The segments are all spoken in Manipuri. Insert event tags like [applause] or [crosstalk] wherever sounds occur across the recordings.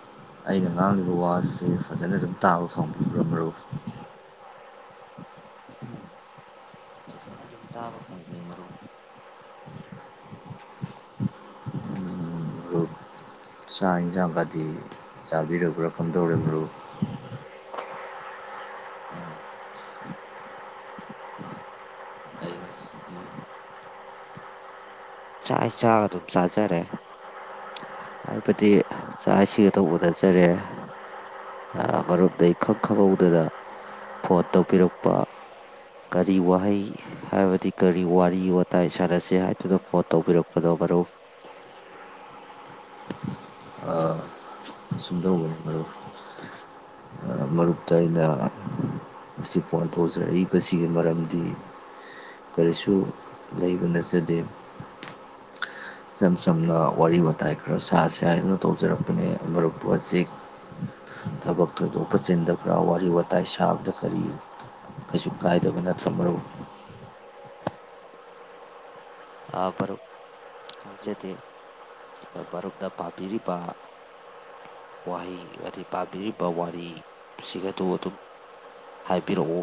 [unintelligible] ꯑꯩꯅ ꯉꯥꯡꯂꯤꯕ ꯋꯥꯁꯦ ꯐꯖꯅ ꯑꯗꯨꯝ ꯇꯥꯕ ꯐꯪꯕꯤꯕꯔꯥ ꯃꯔꯨꯞ [unintelligible] ꯎꯝ ꯐꯖꯅ ꯑꯗꯨꯝ ꯇꯥꯕ ꯐꯪꯖꯩ ꯃꯔꯨꯝ ꯎꯝ ꯃꯔꯨꯞ ꯆꯥꯛ ꯌꯦꯟꯁꯥꯡꯒꯗꯤ ꯆꯥꯕꯤꯔꯕ꯭ꯔꯥ ꯐꯝꯗꯧꯔ ꯃꯔꯨꯞ ꯑꯩ ꯉꯁꯤꯗꯤ ꯆꯥꯛ ꯏꯟꯁꯥꯡ ꯑꯗꯨꯝ ꯆꯥꯖꯥꯔꯦ ꯍꯥꯏꯕꯗꯤ ꯆꯥꯛ ꯏꯁꯤ ꯑꯗꯨꯝ ꯎꯅꯖꯔꯦ ꯃꯔꯣꯝꯗꯒꯤ ꯏꯈꯪ ꯈꯪꯍꯧꯗꯅ ꯐꯣꯟ ꯇꯧꯕꯤꯔꯛꯄ ꯀꯔꯤ ꯋꯥꯍꯩ ꯍꯥꯏꯕꯗꯤ ꯀꯔꯤ ꯋꯥꯔꯤ ꯋꯥꯇꯥꯏ ꯁꯥꯟꯅꯁꯦ ꯍꯥꯏꯗꯨꯅ ꯐꯣꯟ ꯇꯧꯕꯤꯔꯛꯄꯅꯣ ꯃꯔꯨꯞ [unintelligible] ꯁꯨꯝꯗꯧꯕꯅꯤ ꯃꯔꯨꯞ ꯃꯔꯨꯞꯇ ꯑꯩꯅ ꯉꯁꯤ ꯐꯣꯟ ꯇꯧꯖꯔꯛꯏꯕꯁꯤꯒꯤ ꯃꯔꯝꯗꯤ ꯀꯔꯤꯁꯨ ꯂꯩꯕ ꯅꯠꯆꯗꯦ ꯏꯆꯝ ꯆꯝꯅ ꯋꯥꯔꯤ ꯋꯥꯇꯥꯏ ꯈꯔ ꯁꯥꯁꯦ ꯍꯥꯏꯗꯨꯅ ꯇꯧꯖꯔꯛꯄꯅꯦ ꯃꯔꯨꯞꯄꯨ ꯍꯧꯖꯤꯛ ꯊꯕꯛ ꯊꯣꯏꯗꯣꯛꯄ ꯆꯤꯟꯗ ꯋꯥꯔꯤ ꯋꯥꯇꯥꯏ ꯁꯥꯕꯗ ꯀꯔꯤ ꯀꯩꯁꯨ ꯀꯥꯏꯗꯕ ꯅꯠꯇ꯭ꯔꯣ ꯃꯔꯨꯞ ꯑ ꯃꯔꯨꯞ ꯍꯥꯅꯖꯗꯦ ꯃꯔꯨꯞꯅ ꯄꯥꯕꯤꯔꯤꯕ ꯋꯥꯍꯩ ꯍꯥꯏꯗꯤ ꯄꯥꯝꯕꯤꯔꯤꯕ ꯋꯥꯔꯤꯁꯤꯡ ꯑꯗꯨ ꯑꯗꯨꯝ ꯍꯥꯏꯕꯤꯔꯛꯎ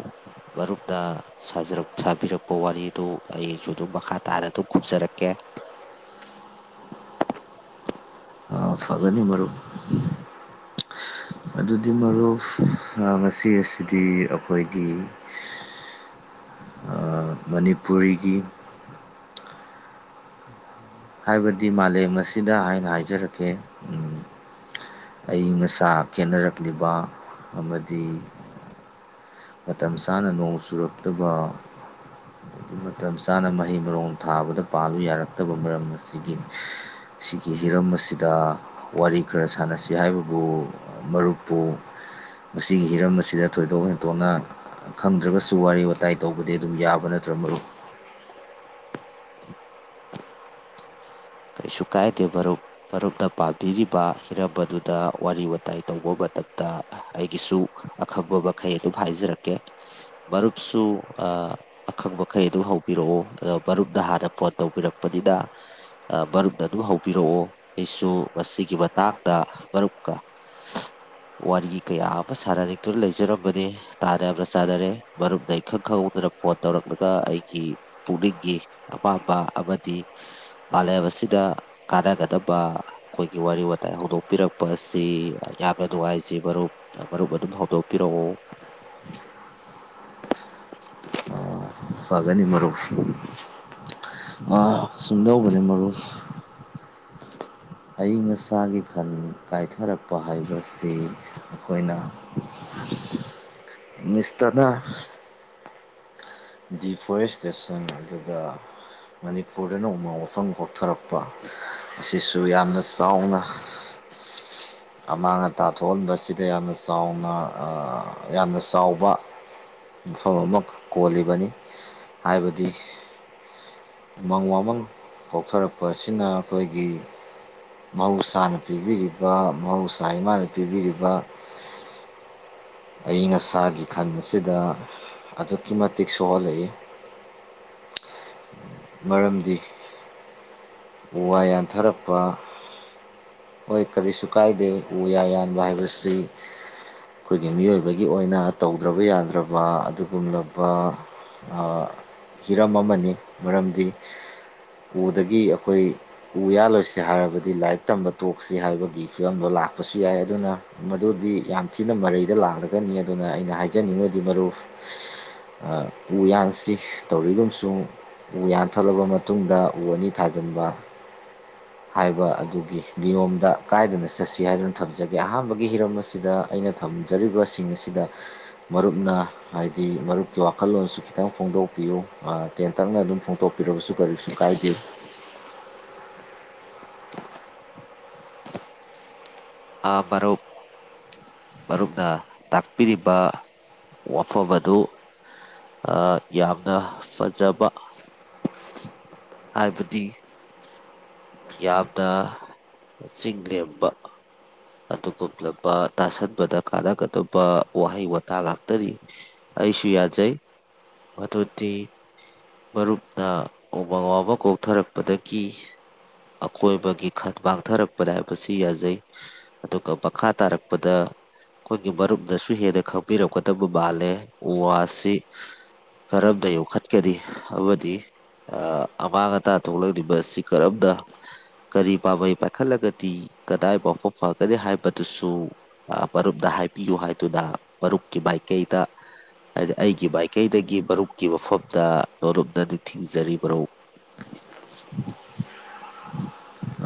ꯃꯔꯨꯞꯅ ꯁꯥꯕꯤꯔꯛꯄ ꯋꯥꯔꯤꯗꯨ ꯑꯩꯁꯨ ꯑꯗꯨꯝ ꯃꯈꯥ ꯇꯥꯅ ꯑꯗꯨꯝ ꯈꯨꯝꯖꯔꯛꯀꯦ ꯐꯒꯅꯤ ꯃꯔꯨꯞ ꯑꯗꯨꯗꯤ ꯃꯔꯨꯞ ꯉꯁꯤ ꯑꯁꯤꯗꯤ ꯑꯩꯈꯣꯏꯒꯤ ꯑ, ꯃꯅꯤꯄꯨꯔꯤꯒꯤ ꯍꯥꯏꯕꯗꯤ ꯃꯥꯂꯦꯝ ꯑꯁꯤꯗ ꯍꯥꯏꯅ ꯍꯥꯏꯖꯔꯛꯀꯦ ꯎꯝ ꯑꯌꯪ ꯑꯁꯥ ꯈꯦꯅꯔꯛꯂꯤꯕ ꯑꯃꯗꯤ ꯃꯇꯝ ꯆꯥꯅ ꯅꯣꯡ ꯆꯨꯔꯛꯇꯕ ꯑꯗꯒꯤ ꯃꯇꯝ ꯆꯥꯅ ꯃꯍꯩ ꯃꯔꯣꯡ ꯊꯥꯕꯗ ꯄꯥꯜꯂꯨ ꯌꯥꯔꯛꯇꯕ ꯃꯔꯝ ꯑꯁꯤꯒꯤꯅꯤ ꯁꯤꯒꯤ ꯍꯤꯔꯝ ꯑꯁꯤꯗ ꯋꯥꯔꯤ ꯈꯔ ꯁꯥꯟꯅꯁꯤ ꯍꯥꯏꯕꯕꯨ ꯃꯔꯨꯞꯄꯨ ꯃꯁꯤꯒꯤ ꯍꯤꯔꯝ ꯑꯁꯤꯗ ꯊꯣꯏꯗꯣꯛ ꯅ ꯇꯣꯅ ꯈꯪꯗ꯭ꯔꯒꯁꯨ ꯋꯥꯔꯤ ꯋꯥꯇꯥꯏ ꯇꯧꯕꯗꯤ ꯑꯗꯨꯝ ꯌꯥꯕ ꯅꯠꯇ꯭ꯔ ꯃꯔꯨꯞ ꯀꯩꯁꯨ ꯀꯥꯏꯗꯦ ꯃꯔꯨꯞ ꯃꯔꯨꯞꯅ ꯄꯥꯝꯕꯤꯔꯤꯕ ꯍꯤꯔꯝ ꯑꯗꯨꯗ ꯋꯥꯔꯤ ꯋꯥꯇꯥꯏ ꯇꯧꯕ ꯃꯇꯝꯗ ꯑꯩꯒꯤꯁꯨ ꯑꯈꯪꯕ ꯃꯈꯩ ꯑꯗꯨꯝ ꯍꯥꯏꯖꯔꯛꯀꯦ ꯃꯔꯨꯞꯁꯨ ꯑꯈꯪ ꯃꯈꯩ ꯑꯗꯨ ꯍꯧꯕꯤꯔꯛꯑꯣ ꯑꯗꯣ ꯃꯔꯨꯞꯅ ꯍꯥꯟꯅ ꯐꯣꯟ ꯇꯧꯕꯤꯔꯛꯄꯅꯤꯅ ꯑ ꯃꯔꯨꯞ ꯑꯗꯨꯝ ꯍꯧꯕꯤꯔꯛꯑꯣ ꯑꯩꯁꯨ ꯃꯁꯤꯒꯤ ꯃꯇꯥꯡꯗ ꯃꯔꯨꯞꯀ ꯋꯥꯔꯤ ꯀꯌꯥ ꯑꯃ ꯁꯥꯟꯅꯅꯤꯡꯗꯨꯅ ꯂꯩꯖꯔꯝꯕꯅꯤ ꯇꯥꯟ ꯌꯥꯝꯅ ꯆꯥꯟꯅꯔꯦ ꯃꯔꯨꯞꯅ ꯏꯈꯪ ꯈꯪꯍꯧ ꯑꯗꯨꯅ ꯐꯣꯟ ꯇꯧꯔꯛꯂꯒ ꯑꯩꯒꯤ ꯄꯨꯛꯅꯤꯡꯒꯤ ꯑꯄꯥꯝꯕ ꯑꯃꯗꯤ ꯃꯥꯂꯦꯝ ꯑꯁꯤꯗ ꯀꯥꯟꯅꯒꯗꯕ ꯑꯩꯈꯣꯏꯒꯤ ꯋꯥꯔꯤ ꯋꯥꯇꯥꯏ ꯍꯧꯗꯣꯛꯄꯤꯔꯛꯄ ꯑꯁꯤ ꯌꯥꯝꯅ ꯅꯨꯡꯉꯥꯏꯖꯩ ꯃꯔꯨꯞ ꯃꯔꯨꯞ ꯑꯗꯨꯝ ꯐꯥꯎꯗꯣꯛꯄꯤꯔꯛꯑꯣ ꯑꯥ ꯐꯒꯅꯤ ꯃꯔꯨꯞ ꯁꯨꯝꯗꯧꯕꯅꯤ ꯃꯔꯨꯞ ꯑꯏꯪ ꯑꯁꯥꯒꯤ ꯈꯟ ꯀꯥꯏꯊꯔꯛꯄ ꯍꯥꯏꯕꯁꯤ ꯑꯩꯈꯣꯏꯅ ꯃꯤꯁꯇꯅ ꯗꯤꯐꯣꯔꯦꯁꯇꯦꯁꯟ ꯑꯗꯨꯒ ꯃꯅꯤꯄꯨꯔꯗꯅ ꯎꯃ ꯋꯥꯐꯝ ꯀꯣꯛꯊꯔꯛꯄ ꯑꯁꯤꯁꯨ ꯌꯥꯝꯅ ꯆꯥꯎꯅ [inaudible] [unintelligible] ꯑꯃꯥꯡ ꯑꯇꯥ ꯊꯣꯛꯍꯟꯕꯁꯤꯗ ꯌꯥꯝꯅ ꯆꯥꯎꯅ ꯌꯥꯝꯅ ꯆꯥꯎꯕ ꯃꯐꯝ ꯑꯃ ꯀꯣꯜꯂꯤꯕꯅꯤ ꯍꯥꯏꯕꯗꯤ ꯎꯃꯪ ꯋꯥꯃꯪ ꯀꯣꯛꯊꯔꯛꯄ ꯑꯁꯤꯅ ꯑꯩꯈꯣꯏꯒꯤ ꯃꯍꯧꯁꯥꯅ ꯄꯤꯕꯤꯔꯤꯕ ꯃꯍꯧꯁꯥ ꯏꯃꯥꯅ ꯄꯤꯕꯤꯔꯤꯕ [inaudible] [unintelligible] ꯑꯏ ꯑꯁꯥꯒꯤ ꯈꯟ ꯑꯁꯤꯗ ꯑꯗꯨꯛꯀꯤ ꯃꯇꯤꯛ ꯁꯣꯛꯍꯜꯂꯛꯏ ꯃꯔꯝꯗꯤ ꯎ ꯋꯥ ꯌꯥꯟꯊꯔꯛꯄ ꯍꯣꯏ ꯀꯔꯤꯁꯨ ꯀꯥꯏꯗꯦ ꯎ ꯌꯥ ꯌꯥꯟꯕ ꯍꯥꯏꯕꯁꯤ ꯑꯩꯈꯣꯏꯒꯤ ꯃꯤꯑꯣꯏꯕꯒꯤ ꯑꯣꯏꯅ ꯇꯧꯗ꯭ꯔꯕ ꯌꯥꯗ꯭ꯔꯕ ꯑꯗꯨꯒꯨꯝꯂꯕ ꯍꯤꯔꯝ ꯑꯃꯅꯤ ꯃꯔꯝꯗꯤ ꯎꯗꯒꯤ ꯑꯩꯈꯣꯏ ꯎ ꯌꯥꯜꯂꯣꯏꯁꯤ ꯍꯥꯏꯔꯕꯗꯤ ꯂꯥꯏꯔꯤꯛ ꯇꯝꯕ ꯇꯣꯛꯁꯤ ꯍꯥꯏꯕꯒꯤ ꯐꯤꯕꯝꯗꯣ ꯂꯥꯛꯄꯁꯨ ꯌꯥꯏ ꯑꯗꯨꯅ ꯃꯗꯨꯗꯤ ꯌꯥꯝ ꯊꯤꯅ ꯃꯔꯩꯗ ꯂꯥꯡꯂꯒꯅꯤ ꯑꯗꯨꯅ ꯑꯩꯅ ꯍꯥꯏꯖꯅꯤꯡꯕꯗꯤ ꯃꯔꯨ ꯎ ꯌꯥꯟꯁꯤ ꯇꯧꯔꯤꯒꯨꯝ ꯎ ꯌꯥꯟꯊꯠꯂꯕ ꯃꯇꯨꯡꯗ ꯎ ꯑꯅꯤ ꯊꯥꯖꯤꯟꯕ ꯍꯥꯏꯕ ꯑꯗꯨꯒꯤ ꯅꯤꯌꯣꯝꯗ ꯀꯥꯏꯗꯅ ꯆꯠꯁꯤ ꯍꯥꯏꯗꯨꯅ ꯊꯝꯖꯒꯦ ꯑꯍꯥꯟꯕꯒꯤ ꯍꯤꯔꯝ ꯑꯁꯤꯗ ꯑꯩꯅ ꯊꯝꯖꯔꯤꯕꯁꯤꯡ ꯑꯁꯤꯗ ꯃꯔꯨꯞꯅ ꯍꯥꯏꯗꯤ ꯃꯔꯨꯞꯀꯤ ꯋꯥꯈꯜꯂꯣꯟꯁꯨ ꯈꯤꯇꯪ ꯐꯣꯡ ꯐꯣꯡꯗꯣꯛꯄꯤꯌꯨ ꯇꯦꯟꯇꯛꯅ ꯑꯗꯨꯝ ꯐꯣꯡꯗꯣꯛꯄꯤꯔꯕꯁꯨ ꯀꯔꯤꯁꯨ ꯀꯥꯏꯗꯦ ꯑ ꯄꯔꯣ ꯃꯔꯨꯞꯅ ꯇꯥꯛꯄꯤꯔꯤꯕ ꯋꯥꯐꯝ ꯑꯗꯨ ꯌꯥꯝꯅ ꯐꯖꯕ ꯍꯥꯏꯕꯗꯤ ꯌꯥꯝꯅ ꯆꯤꯡꯡꯂꯦꯝꯕ ꯑꯗꯨꯒꯨꯝꯂꯕ ꯇꯥꯁꯟꯕꯗ ꯀꯥꯟꯅꯒꯗꯕ ꯋꯥꯍꯩ ꯋꯥꯇꯥ ꯉꯥꯛꯇꯅꯤ ꯑꯩꯁꯨ ꯌꯥꯖꯩ ꯃꯗꯨꯗꯤ ꯃꯔꯨꯞꯅ ꯎꯃꯪ ꯋꯥꯕ ꯀꯣꯛꯊꯔꯛꯄꯗꯒꯤ ꯑꯀꯣꯏꯕꯒꯤ ꯈ ꯃꯥꯡꯊꯔꯛꯄꯅꯦ ꯍꯥꯏꯕꯁꯤ ꯌꯥꯖꯩ ꯑꯗꯨꯒ ꯃꯈꯥ ꯇꯥꯔꯛꯄꯗ ꯑꯩꯈꯣꯏꯒꯤ ꯃꯔꯨꯝꯗꯁꯨ ꯍꯦꯟꯅ ꯈꯪꯕꯤꯔꯝꯀꯗꯕ ꯃꯥꯜꯂꯦ ꯎ ꯋꯥꯁꯤ ꯈꯔꯝꯗ ꯌꯣꯛꯈꯠꯀꯅꯤ ꯍꯥꯏꯕꯗꯤ ꯑꯃꯥꯡ ꯑꯇꯥ ꯊꯣꯛꯂꯛꯂꯤꯕ ꯑꯁꯤ ꯀꯔꯝꯅ ꯀꯔꯤ ꯄꯥꯝꯕꯩ ꯄꯥꯏꯈꯠꯂꯒꯗꯤ ꯀꯗꯥꯏ ꯐꯥꯎꯕ ꯐ ꯀꯅꯤ ꯍꯥꯏꯕꯗꯨꯁꯨ ꯃꯔꯨꯞꯇ ꯍꯥꯏꯕꯤꯌꯨ ꯍꯥꯏꯗꯨꯅ ꯃꯔꯨꯞꯀꯤ ꯃꯥꯏꯀꯩꯗ ꯍꯥꯏꯗꯤ ꯑꯩꯒꯤ ꯃꯥꯏꯀꯩꯗꯒꯤ ꯃꯔꯨꯞꯀꯤ ꯃꯐꯝꯗ ꯅꯣꯂꯨꯞꯅ ꯅꯤꯡꯊꯁꯤꯡꯖꯔꯤ ꯃꯔꯨꯞ [inaudible] [unintelligible]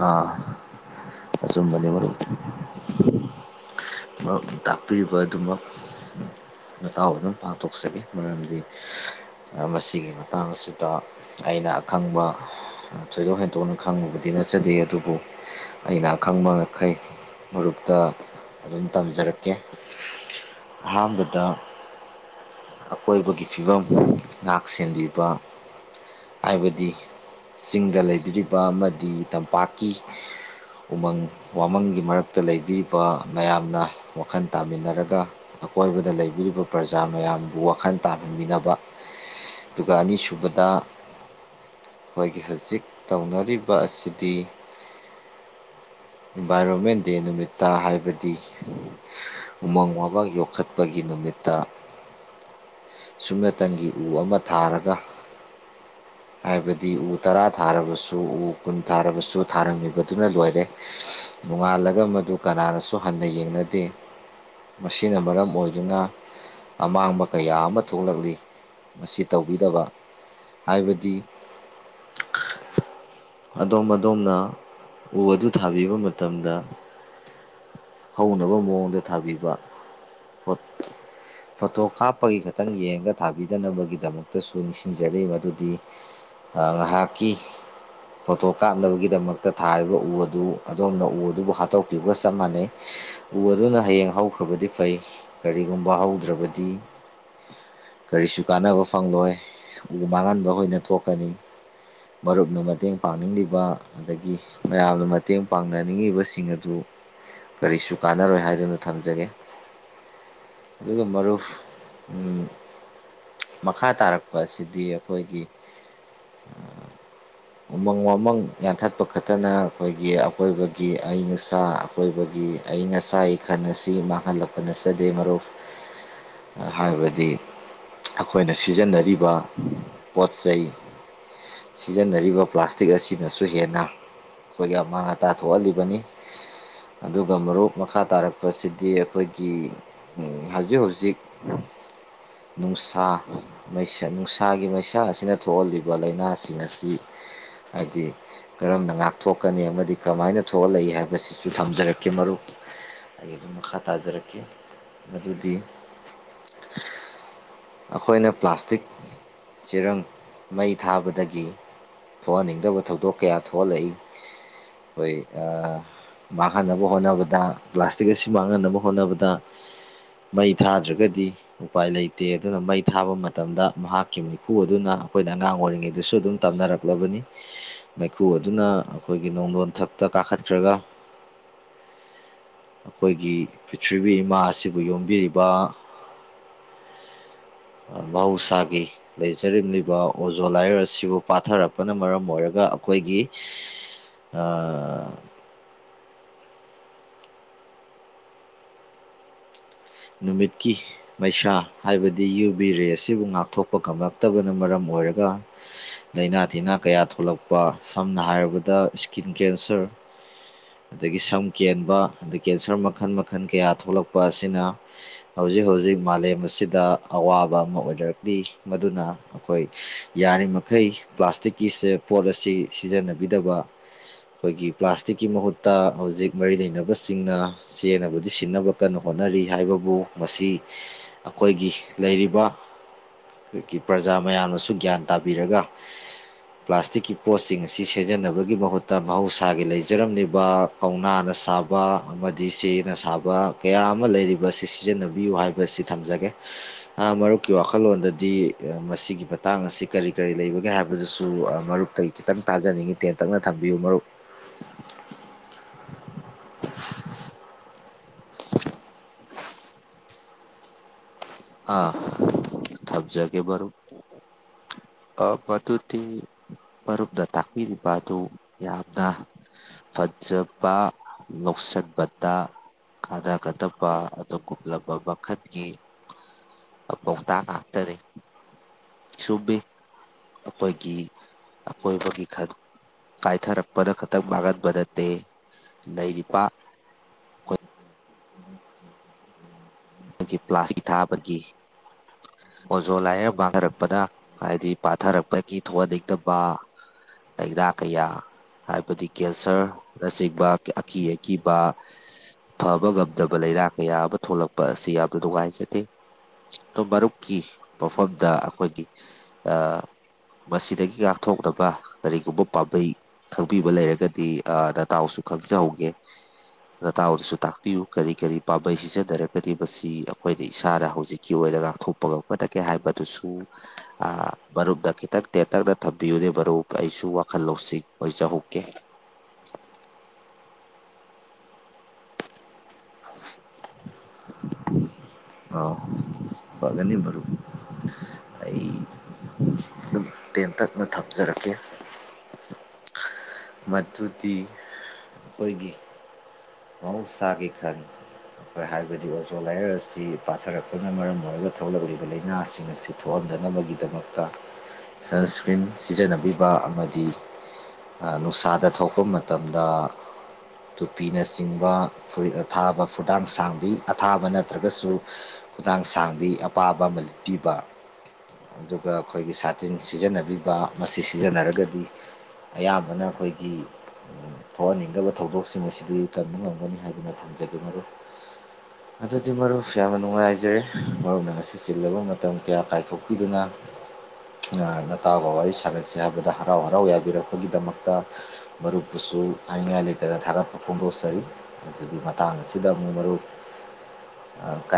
ꯑꯥ ꯑꯁꯨꯨꯝꯕꯅꯤ ꯃꯔ ꯇꯥꯛꯄꯤꯔꯤꯕ ꯑꯗꯨꯃꯛ ꯃꯇꯇꯥꯎ ꯑꯗꯨꯝ ꯄꯥꯡꯊꯣꯛꯆꯈꯤ ꯃꯔꯝꯗꯤ ꯃꯁꯤꯒꯤ ꯃꯇꯥꯡꯁꯤꯗ ꯑꯩꯅ ꯑꯈꯪꯕ ꯊꯣꯏꯗꯣꯛ ꯍꯦꯟꯗꯣꯛꯅ ꯈꯪꯉꯨꯕꯗꯤ ꯅꯠꯆꯗꯦ ꯑꯗꯨꯕꯨ ꯑꯩꯅ ꯑꯈꯪꯕ ꯉꯩ ꯃꯔꯨꯞꯇ ꯑꯗꯨꯝ ꯇꯝꯖꯔꯛꯀꯦ ꯑꯍꯥꯟꯕꯗ ꯑꯀꯣꯏꯕꯒꯤ ꯐꯤꯕꯝ ꯉꯥꯛ ꯁꯦꯟꯕꯤꯕ ꯍꯥꯏꯕꯗꯤ ꯆꯤꯡꯗ ꯂꯩꯕꯤꯔꯤꯕ ꯑꯃꯗꯤ ꯇꯝꯄꯥꯛꯀꯤ ꯎꯃꯪ ꯋꯥꯃꯪꯒꯤ ꯃꯔꯛꯇ ꯂꯩꯕꯤꯕ ꯃꯌꯥꯝꯅ ꯋꯥꯈꯜ ꯇꯥꯃꯤꯟꯅꯔꯒ ꯑꯀꯣꯏꯕꯗ ꯂꯩꯕꯤꯔꯤꯕ ꯄ꯭ꯔꯖꯥ ꯃꯌꯥꯝꯕꯨ ꯋꯥꯈꯜ ꯇꯥꯍꯟꯃꯤꯕ ꯑꯗꯨꯒ ꯑꯅꯤ ꯁꯨꯕꯗ ꯑꯩꯈꯣꯏꯒꯤ ꯍꯧꯖꯤꯛ ꯇꯧꯅꯔꯤꯕ ꯑꯁꯤꯗꯤ ꯏꯟꯚꯥꯏꯔꯣꯟꯃꯦꯟ ꯗꯦ ꯅꯨꯃꯤꯠꯇ ꯍꯥꯏꯕꯗꯤ ꯎꯃꯪ ꯋꯥꯕꯥꯛ ꯌꯣꯛꯈꯠꯄꯒꯤ ꯅꯨꯃꯤꯠꯇ ꯁꯨꯞꯅꯇꯪꯒꯤ ꯎ ꯑꯃ ꯊꯥꯔꯒ ꯍꯥꯏꯕꯗꯤ ꯎ ꯇꯔꯥ ꯊꯥꯔꯕꯁꯨ ꯎ ꯀꯨꯟ ꯊꯥꯔꯕꯁꯨ ꯊꯥꯔꯝꯃꯤꯕꯗꯨꯅ ꯂꯣꯏꯔꯦ ꯅꯣꯡꯉꯥꯜꯂꯒ ꯃꯗꯨ ꯀꯅꯥꯅꯁꯨ ꯍꯟꯅ ꯌꯦꯡꯅꯗꯦ ꯃꯁꯤꯅ ꯃꯔꯝ ꯑꯣꯏꯗꯨꯅ ꯑꯃꯥꯡꯕ ꯀꯌꯥ ꯑꯃ ꯊꯣꯛꯂꯛꯂꯤ ꯃꯁꯤ ꯇꯧꯕꯤꯗꯕ ꯍꯥꯏꯕꯗꯤ [inaudible] ꯑꯗꯣꯝ ꯑꯗꯣꯝꯅ ꯎ ꯑꯗꯨ ꯊꯥꯕꯤꯕ ꯃꯇꯝꯗ ꯍꯧꯅꯕ ꯃꯑꯣꯡꯗ ꯊꯥꯕꯤꯕ ꯐꯣꯇꯣ ꯀꯥꯞꯄꯒꯤ ꯈꯇꯪ ꯌꯦꯡꯒ ꯊꯥꯕꯤꯗꯅꯕꯒꯤꯗꯃꯛꯇꯁꯨ ꯅꯤꯡꯁꯤꯡꯖꯔꯤ ꯃꯗꯨꯗꯤ ꯉꯥꯏꯍꯥꯛꯀꯤ ꯐꯣꯇꯣ ꯀꯥꯞꯅꯕꯒꯤꯗꯃꯛꯇ ꯊꯥꯔꯤꯕ ꯎ ꯑꯗꯨ ꯑꯗꯣꯝꯅ ꯎ ꯑꯗꯨꯕꯨ ꯍꯥꯠꯇꯣꯛꯄꯤꯕꯒ ꯆꯞ ꯃꯥꯟꯅꯩ ꯎ ꯑꯗꯨꯅ ꯍꯌꯦꯡ ꯍꯧꯈ꯭ꯔꯕꯗꯤ ꯐꯩ ꯀꯔꯤꯒꯨꯝꯕ ꯍꯧꯗ꯭ꯔꯕꯗꯤ ꯀꯔꯤꯁꯨ ꯀꯥꯟꯅꯕ ꯐꯪꯂꯣꯏ ꯎ ꯃꯥꯡꯍꯟꯕ ꯑꯣꯏꯅ ꯊꯣꯛꯀꯅꯤ ꯃꯔꯨꯞꯅ ꯃꯇꯦꯡ ꯄꯥꯡꯅꯤꯡꯂꯤꯕ ꯑꯗꯒꯤ ꯃꯌꯥꯝꯅ ꯃꯇꯦꯡ ꯄꯥꯡꯅꯅꯤꯡꯉꯤꯕꯁꯤꯡ ꯑꯗꯨ ꯀꯔꯤꯁꯨ ꯀꯥꯟꯅꯔꯣꯏ ꯍꯥꯏꯗꯨꯅ ꯊꯝꯖꯒꯦ ꯑꯗꯨꯒ ꯃꯔꯨ ꯎ ꯃꯈꯥ ꯇꯥꯔꯛꯄ ꯑꯁꯤꯗꯤ ꯑꯩꯈꯣꯏꯒꯤ ꯎꯃꯪ ꯋꯥꯃꯪ ꯌꯥꯟꯊꯠꯄ ꯈꯛꯇꯅ ꯑꯩꯈꯣꯏꯒꯤ ꯑꯀꯣꯏꯕꯒꯤ ꯑꯏꯪ ꯑꯁꯥ ꯑꯀꯣꯏꯕꯒꯤ ꯑꯏꯪ ꯑꯁꯥꯒꯤ ꯈꯜ ꯑꯁꯤ ꯃꯥꯡꯍꯜꯂꯛꯄ ꯅꯠꯆꯗꯦ ꯃꯔꯨꯞ ꯍꯥꯏꯕꯗꯤ ꯑꯩꯈꯣꯏꯅ ꯁꯤꯖꯤꯟꯅꯔꯤꯕ ꯄꯣꯠ ꯆꯩꯩ ꯁꯤꯖꯤꯟꯅꯔꯤꯕ ꯄ꯭ꯂꯥꯁꯇꯤꯛ ꯑꯁꯤꯅꯁꯨ ꯍꯦꯟꯅ ꯑꯩꯈꯣꯏꯒꯤ ꯑꯃꯥꯡ ꯑꯇꯥ ꯊꯣꯛꯍꯜꯂꯤꯕꯅꯤ ꯑꯗꯨꯒ ꯃꯔꯨꯞ ꯃꯈꯥ ꯇꯥꯔꯛꯄꯁꯤꯗꯤ ꯑꯩꯈꯣꯏꯒꯤ ꯍꯧꯖꯤꯛ ꯍꯧꯖꯤꯛ ꯅꯨꯡꯁꯥ ꯃꯩꯁ ꯅꯨꯡꯁꯥꯒꯤ ꯃꯩꯁ ꯏꯟꯁꯥꯡ ꯑꯁꯤꯅ ꯊꯣꯛꯍꯜꯂꯤꯕ ꯂꯥꯏꯅꯥꯁꯤꯡ ꯑꯁꯤ ꯍꯥꯏꯗꯤ ꯀꯔꯝꯅ ꯉꯥꯛꯊꯣꯛꯀꯅꯤ ꯑꯃꯗꯤ ꯀꯃꯥꯏꯅ ꯊꯣꯛꯍꯂꯛꯏ ꯍꯥꯏꯕꯁꯤꯁꯨ ꯊꯝꯖꯔꯛꯀꯦ ꯃꯔꯨꯞ ꯑꯩ ꯑꯗꯨꯝ ꯃꯈꯥ ꯇꯥꯖꯔꯛꯀꯦ ꯃꯗꯨꯗꯤ ꯑꯩꯈꯣꯏꯅ ꯄ꯭ꯂꯥꯁꯇꯤꯛ ꯆꯦꯔꯪ ꯃꯩ ꯊꯥꯕꯗꯒꯤ ꯊꯣꯛꯍꯟꯅꯤꯡꯗꯕ ꯊꯧꯗꯣꯛ ꯀꯌꯥ ꯊꯣꯛꯍꯜꯂꯛꯏ ꯍꯣꯏ ꯑ ꯃꯥꯡꯍꯟꯅꯕ ꯍꯣꯠꯅꯕꯗ ꯄ꯭ꯂꯥꯁꯇꯤꯛ ꯑꯁꯤ ꯃꯥꯡꯍꯟꯅꯕ ꯍꯣꯠꯅꯕꯗ ꯃꯩ ꯊꯥꯗ꯭ꯔꯒꯗꯤ ꯎꯄꯥꯏ ꯂꯩꯇꯦ ꯑꯗꯨꯅ ꯃꯩ ꯊꯥꯕ ꯃꯇꯝꯗ ꯃꯍꯥꯛ ꯃꯤꯈꯨ ꯑꯗꯨꯅ ꯑꯩꯈꯣꯏꯅ ꯑꯉꯥꯡ ꯑꯣꯏꯔꯤꯉꯩꯗꯁꯨ ꯑꯗꯨꯝ ꯇꯝꯅꯔꯛꯂꯕꯅꯤ ꯃꯩꯈꯨ ꯑꯗꯨꯅ ꯑꯩꯈꯣꯏ ꯑꯩꯈꯣꯏꯒꯤ ꯅꯣꯡ ꯂꯣꯟꯊꯛꯇ ꯀꯥꯈꯠꯈ꯭ꯔꯒ ꯑꯩꯈꯣꯏꯒꯤ ꯄ꯭ꯔꯤꯊ꯭ꯤꯔꯤꯕꯕꯤ ꯏꯃꯥ ꯑꯁꯤꯕꯨ ꯌꯣꯝꯕꯤꯔꯤꯕ ꯃꯍꯧꯁꯥꯒꯤ ꯂꯩꯖꯔꯝꯂꯤꯕ ꯑꯣꯖꯣ ꯂꯥꯏꯌꯔ ꯑꯁꯤꯕꯨ ꯄꯥꯊꯔꯛꯄꯅ ꯃꯔꯝ ꯑꯣꯏꯔꯒ ꯑꯩꯈꯣꯏꯒꯤ ꯑꯥ ꯅꯨꯃꯤꯠꯀꯤ ꯃꯩꯁꯥ ꯍꯥꯏꯕꯗꯤ ꯌꯨ ꯕꯤ ꯔꯦ ꯑꯁꯤꯕꯨ ꯉꯥꯛꯊꯣꯛꯄ ꯉꯝꯂꯛꯇꯕꯅ ꯃꯔꯝ ꯑꯣꯏ ꯑꯣꯏꯔꯒ ꯂꯩꯥꯅꯥ ꯇꯤꯟꯅꯥ ꯀꯌꯥ ꯊꯣꯛꯂꯛꯄ ꯁꯝꯅ ꯍꯥꯏꯔꯕꯗ ꯏꯁꯀꯤꯟ ꯀꯦꯟꯁꯔ ꯑꯗꯒꯤ ꯁꯝ ꯀꯦꯟꯕ ꯑꯗꯩ ꯀꯦꯟꯁꯔ ꯃꯈꯜ ꯃꯈꯜ ꯀꯌꯥ ꯊꯣꯛꯂꯛꯄ ꯑꯁꯤꯅ [inaudible] ꯍꯧꯖꯤꯛ ꯍꯧꯖꯤꯛ ꯃꯥꯂꯦꯝ ꯑꯁꯤꯗ ꯑꯋꯥꯕ ꯑꯃ ꯑꯣꯏꯅꯔꯛꯂꯤ ꯃꯗꯨꯅ ꯑꯩꯈꯣꯏ ꯌꯥꯒꯥꯔꯤꯃꯩ ꯄ꯭ꯂꯥꯁꯇꯤꯛꯀꯤ ꯄꯣꯠ ꯑꯁꯤ ꯁꯤꯖꯤꯟꯅꯕꯤꯗꯕ ꯑꯩꯈꯣꯏꯒꯤ ꯄ꯭ꯂꯥꯁꯇꯤꯛꯀꯤ ꯃꯍꯨꯠꯇ ꯍꯧꯖꯤꯛ ꯃꯔꯤ ꯂꯩꯅꯕꯁꯤꯡꯅ ꯆꯦꯟꯅꯕꯨꯗꯤ ꯁꯤꯟꯅꯕ ꯀꯟꯅ ꯍꯣꯠꯅꯔꯤ ꯍꯥꯏꯕꯕꯨ ꯃꯁꯤ ꯑꯩꯈꯣꯏꯒꯤ ꯂꯩꯔꯤꯕ ꯑꯩꯈꯣꯏꯒꯤ ꯄ꯭ꯔꯖꯥ ꯃꯌꯥꯝꯅꯁꯨ ꯒ꯭ꯌꯥꯟ ꯇꯥꯕꯤꯔꯒ ꯄ꯭ꯂꯥꯁꯇꯤꯛꯀꯤ ꯄꯣꯠꯁꯤꯡ ꯑꯁꯤ ꯁꯤꯖꯤꯟꯅꯕꯒꯤ ꯃꯍꯨꯠꯇ ꯃꯍꯧꯁꯥꯒꯤ ꯂꯩꯖꯔꯝꯂꯤꯕ ꯀꯧꯅꯥꯅ ꯁꯥꯕ ꯑꯃꯗꯤ ꯆꯦꯅ ꯁꯥꯕ ꯀꯌꯥ ꯑꯃ ꯂꯩꯔꯤꯕ ꯑꯁꯤ ꯁꯤꯖꯤꯟꯅꯕꯤꯌꯨ ꯍꯥꯏꯕꯁꯤ ꯊꯝꯖꯒꯦ ꯃꯔꯨꯞꯀꯤ ꯋꯥꯈꯜꯂꯣꯟꯗꯗꯤ ꯃꯁꯤꯒꯤ ꯃꯇꯥꯡ ꯑꯁꯤ ꯀꯔꯤ ꯀꯔꯤ ꯂꯩꯕꯒꯦ ꯍꯥꯏꯕꯗꯨꯁꯨ ꯃꯔꯨꯞꯇꯒꯤ ꯈꯤꯇꯪ ꯇꯥꯖꯅꯤꯡꯉꯤ ꯇꯦꯟꯇꯛꯅ ꯊꯝꯕꯤꯌꯨ ꯃꯔꯨꯞ [inaudible] [inaudible] ꯑꯥ ꯊꯝꯖꯒꯦ ꯃꯔꯨꯞ ꯃꯗꯨꯗꯤ ꯃꯔꯨꯞꯅ ꯇꯥꯛꯄꯤꯔꯤꯕ ꯑꯗꯨ ꯌꯥꯝꯅ ꯐꯖꯕ ꯅꯣꯛꯁꯠꯄꯇꯥ ꯀꯥꯟꯅꯒꯗꯕ ꯑꯗꯨꯒꯨꯝꯂꯕ ꯃꯈꯜꯒꯤ ꯄꯥꯎꯇꯥꯛ ꯉꯥꯛꯇꯗꯤ ꯁꯨꯕꯤ ꯑꯩꯈꯣꯏꯒꯤ ꯑꯀꯣꯏꯕꯒꯤ ꯀꯥꯏꯊꯔꯛꯄꯗ ꯈꯛꯇꯪ ꯃꯥꯡꯒꯟꯕ ꯅꯠꯇꯦ ꯂꯩꯔꯤꯕ ꯃꯥ ꯄ꯭ꯂꯥꯁꯀꯤ ꯊꯥꯕꯒꯤ ꯑꯣꯖꯣ ꯂꯥꯏꯔ ꯃꯥꯡꯊꯔꯛꯄꯅ ꯍꯥꯏꯕꯗꯤ ꯄꯥꯊꯔꯛꯄꯒꯤ ꯊꯣꯛꯍꯟꯅꯤꯡꯗꯕ ꯇꯩꯗꯥꯥꯛ ꯀꯩꯌꯥ ꯍꯥꯏꯕꯗꯤ ꯀꯦꯟꯁꯔꯅꯆꯤꯡꯕ ꯑꯀꯤ ꯑꯀꯤꯕ ꯐꯕ ꯉꯝꯗꯕ ꯂꯔꯥꯛ ꯀꯌꯥ ꯑꯃ ꯊꯣꯛꯂꯛꯄ ꯑꯁꯤ ꯌꯥꯝꯅ ꯅꯨꯡꯉꯥꯏꯖꯗꯦ ꯣ ꯃꯔꯨꯞꯀꯤ ꯃꯐꯝꯗ ꯑꯩꯈꯣꯏꯒꯤ ꯃꯁꯤꯗꯒꯤ ꯉꯥꯛꯊꯣꯛꯅꯕ ꯀꯔꯤꯒꯨꯝꯕ ꯄꯥꯝꯕꯩ ꯈꯪꯕꯤꯕ ꯂꯩꯔꯒꯗꯤ ꯅꯇꯎꯁꯨ ꯈꯪꯖꯍꯧꯒꯦ ꯅꯇꯥꯗꯁꯨ ꯇꯥꯛꯄꯤꯌꯨ ꯀꯔꯤ ꯀꯔꯤ ꯄꯥꯝꯕꯩ ꯁꯤꯖꯤꯟꯅꯔꯦ ꯀꯗꯤ ꯃꯁꯤ ꯑꯩꯈꯣꯏꯅ ꯏꯁꯥꯅ ꯍꯧꯖꯤꯛꯀꯤ ꯑꯣꯏꯅ ꯉꯥꯛꯊꯣꯛꯄ ꯉꯝꯒꯗꯒꯦ ꯍꯥꯏꯕꯗꯨꯁꯨ ꯃꯔꯨꯞꯅ ꯈꯤꯇꯪ ꯇꯦꯟꯇꯛꯅ ꯊꯝꯕꯤꯌꯨꯅꯦ ꯃꯔꯨꯞ ꯑꯩꯁꯨ ꯋꯥꯈꯜ ꯂꯧꯁꯤꯡ ꯑꯣꯏꯖꯍꯧꯒꯦ [inaudible] ꯑꯥꯎ ꯐꯒꯅꯤ ꯃꯔꯨꯞ ꯇꯦꯟ ꯇꯞꯅ ꯊꯝꯖꯔꯛꯀꯦ ꯃꯗꯨꯗꯤ ꯑꯩꯈꯣꯏꯒꯤ ꯃꯍꯧꯁꯥꯒꯤ ꯈꯟꯉ ꯑꯩꯈꯣꯏ ꯍꯥꯏꯕꯗꯤ ꯑꯣꯖꯣꯂꯥꯏꯌꯔ ꯑꯁꯤ ꯄꯥꯊꯔꯛꯄꯅ ꯃꯔꯝ ꯑꯣꯏꯔꯒ ꯊꯣꯛꯂꯛꯂꯤꯕ ꯂꯥꯏꯅꯥꯁꯤꯡ ꯑꯁꯤ ꯊꯣꯛꯍꯟꯕ ꯍꯪꯗꯅꯕꯒꯤꯗꯃꯛꯇ ꯁꯟꯁꯀ꯭ꯔꯤꯟ ꯁꯤꯖꯤꯟꯅꯕꯤꯕ ꯑꯃꯗꯤ ꯅꯨꯡꯁꯥꯗ ꯊꯣꯛꯄ ꯃꯇꯝꯗ ꯇꯨꯄꯤꯅꯆꯤꯡꯕ ꯐꯨꯔꯤꯠ ꯑꯊꯥꯕ ꯐꯨꯨꯔꯗꯥꯡ ꯁꯥꯡꯕꯤ ꯑꯊꯥꯕ ꯅꯠꯇ꯭ꯔꯒꯁꯨ ꯈꯨꯗꯥꯡ ꯁꯥꯡꯕꯤ ꯑꯄꯥꯕ ꯑꯃ ꯂꯤꯄꯤꯕ ꯑꯗꯨꯒ ꯑꯩꯈꯣꯏꯒꯤ ꯁꯥꯇꯤꯟ ꯁꯤꯖꯤꯟꯅꯕꯤꯕ ꯃꯁꯤ ꯁꯤꯖꯤꯟꯅꯔꯒꯗꯤ ꯑꯌꯥꯝꯕꯅ ꯑꯩꯈꯣꯏꯒꯤ ꯊꯣꯛꯍꯟꯅꯤꯡꯗꯕ ꯊꯧꯗꯣꯛꯁꯤꯡ ꯑꯁꯤꯗꯤ ꯀꯟꯕ ꯉꯝꯒꯅꯤ ꯍꯥꯏꯗꯨꯅ ꯊꯝꯖꯒꯦ ꯃꯔꯨ ꯑꯗꯨꯗꯤ ꯃꯔꯨꯞꯁꯨ ꯌꯥꯝꯅ ꯅꯨꯡꯉꯥꯏꯖꯔꯦ ꯃꯔꯨꯞꯅ ꯉꯁꯤ ꯆꯤꯜꯂꯕ ꯃꯇꯝ ꯀꯌꯥ ꯀꯥꯏꯊꯣꯛꯄꯤꯗꯨꯅ ꯑꯉꯥꯡ ꯅꯠꯇꯥꯕꯅꯤꯅ ꯑꯩ ꯁꯥꯒꯠꯁꯦ ꯍꯥꯏꯕꯗ ꯍꯔꯥꯎ ꯍꯔꯥꯎ ꯌꯥꯕꯤꯔꯛꯄ ꯒꯤꯗꯃꯛꯇ ꯃꯔꯨꯞꯄꯨꯁꯨ ꯍꯥꯏꯅꯤꯡꯉꯥꯏ ꯂꯩꯇꯅ ꯊꯥꯒꯠꯄ ꯐꯣꯡꯗꯣꯛꯆꯔꯤ ꯑꯗꯨꯗꯤ ꯃꯇꯥꯡ ꯁꯤꯗ ꯑꯃꯨꯛ ꯃꯔꯨꯞ